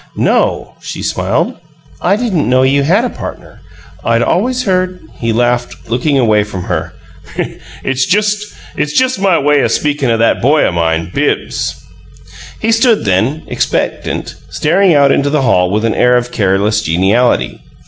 "No," she smiled. "I didn't know you had a partner. I'd always heard " He laughed, looking away from her. "It's just my way o' speakin' o' that boy o' mine, Bibbs." He stood then, expectant, staring out into the hall with an air of careless geniality.